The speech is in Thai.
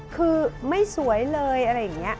คือไม่สวยเลยอะไรอย่างนี้